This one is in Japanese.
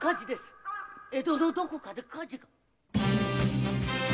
江戸のどこかで火事が！